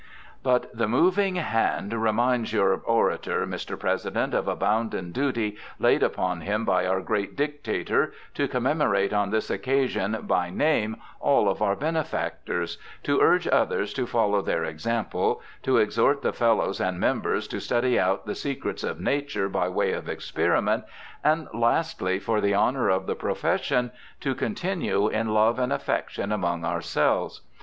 332 BIOGRAPHICAL ESSAYS But the moving hand reminds your orator, Mr. Presi dent, of a bounden duty laid upon him by our great Dictator to commemorate on this occasion by name all of our benefactors; to urge others to follow their example ; to exhort the Fellows and Members to study out the secrets of Nature by way of experiment ; and, lasth^, for the honour of the profession, to continue in love and affection among ourselves.